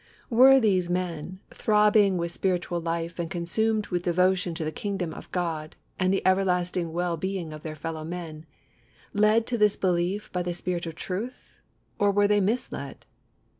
Were these men, throbbing with spiritual life and consumed with devotion to the Kingdom of God and the everlasting well being of their fellowmen, led to this belief by the Spirit of Truth, or were they misled?